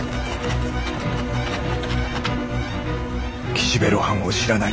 「岸辺露伴をしらない。